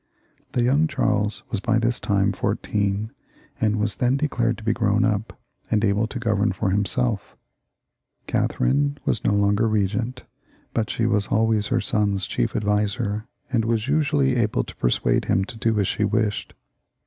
The young Charles was by this time fourteen, and was then declared to be grown up, and able to govern for imself. y Catherine was no longer regent, but she was jJways her son's chief adviser, and was usually able to persuade him to do as she wished.